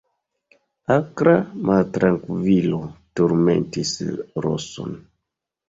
Akra maltrankvilo turmentis Roson.